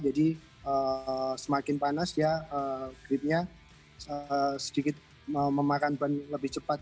jadi semakin panas ya gripnya sedikit memakan ban lebih cepat